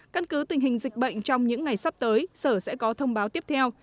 căn cứ tình hình dịch bệnh trong những ngày sắp tới sở sẽ có thông báo tiếp theo